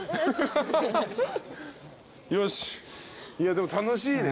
でも楽しいね。